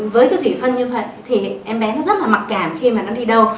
với cái dỉ phân như vậy thì em bé nó rất là mặc cảm khi mà nó đi đâu